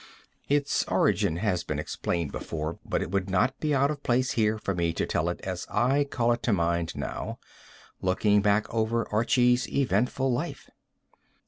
Its origin has been explained before, but it would not be out of place here for me to tell it as I call it to mind now, looking back over Archie's eventful life.